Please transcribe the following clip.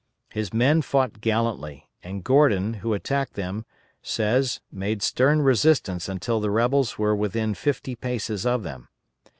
His men fought gallantly, and Gordon, who attacked them, says, made stern resistance until the rebels were within fifty paces of them.